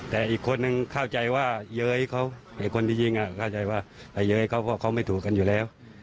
แต่อีกคนนึงเข้าใจว่าเย้ยเขาไอ้คนที่ยิงเข้าใจว่าไอ้เย้ยเขาก็เขาไม่ถูกกันอยู่แล้ว